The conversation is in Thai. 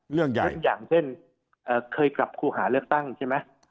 อย่างเช่นเคยกลับครูหาเลือกตั้งใช่ไหม